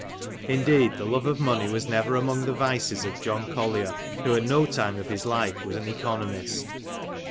Indeed the love of money was never among the vices of John Collier, who at no time of his life was an oeconomist.